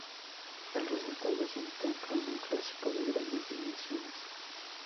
El resultado es un templo neoclásico de grandes dimensiones.